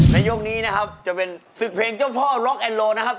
ยกนี้นะครับจะเป็นศึกเพลงเจ้าพ่อล็อกแอนโลนะครับ